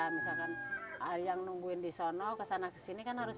misalkan yang nungguin di sono kesana kesini kan harus pakai uang